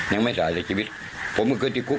ยังไม่สายแล้วคิดว่ามีเจ้าตองจบ